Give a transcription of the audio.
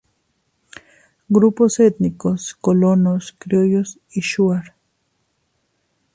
Grupos Étnicos.- Colonos criollos y Shuar.